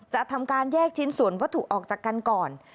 จะทำการแยกชิ้นส่วนวัตถุออกจากกันก่อน